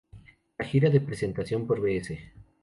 La gira de presentación por Bs.